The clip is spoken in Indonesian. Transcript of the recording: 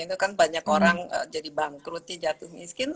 itu kan banyak orang jadi bangkrutnya jatuh miskin